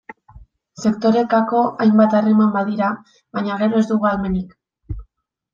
Sektorekako hainbat harreman badira, baina gero ez dugu ahalmenik.